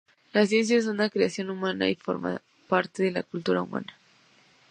La ciencia es una creación humana, y forma parte de cultura humana.